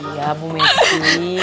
iya bu messi